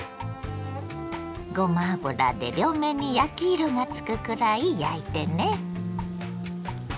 ごま油で両面に焼き色がつくくらい焼いてね。